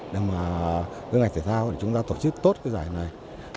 để mà các ngành thể thao chúng ta tổ chức tốt cái giải này